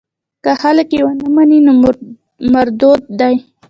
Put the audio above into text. که خلک یې ونه مني نو مردود دی.